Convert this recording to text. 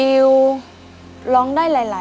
อินโทรเพลงที่๒เลยครับ